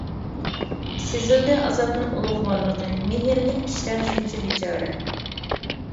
سىزىلدى ئازابنىڭ ئۇلۇغۋارلىقى، مېھىرلىك كىشىلەر شۇنچە بىچارە.